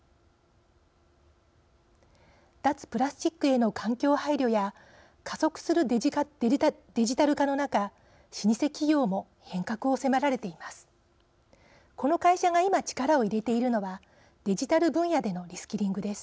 脱プラスチックへの環境配慮や加速するデジタル化の中老舗企業も変革を迫られています。